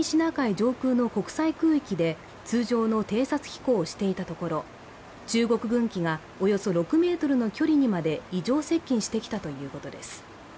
上空の国際空域で通常の偵察飛行をしていたところ、中国軍機がおよそ６ｍの距離にまで異常接近してきたということです。